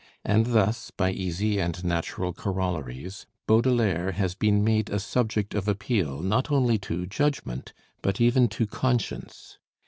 And thus, by easy and natural corollaries, Baudelaire has been made a subject of appeal not only to judgment, but even to conscience.